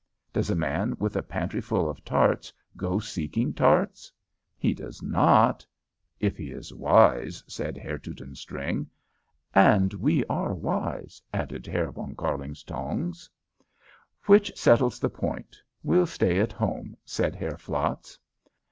Does a man with a pantryful of tarts go seeking tarts? He does not " "If he is wise," said Herr Teutonstring. "And we are wise," added Herr von Kärlingtongs. "Which settles the point. We'll stay at home," said Herr Flatz.